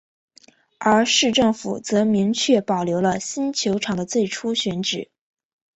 而市政府则明确保留了新球场的最初选址。